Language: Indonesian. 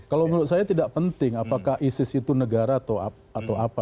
kalau menurut saya tidak penting apakah isis itu negara atau apa